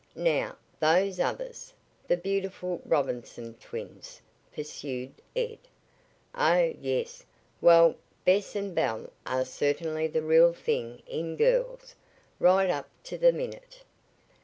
"Now, those others the beautiful Robinson twins," pursued Ed. "Oh, yes. Well, Bess and Belle are certainly the real thing in girls right up to the minute.